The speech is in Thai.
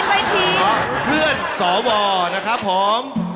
เพื่อนสวนะครับผม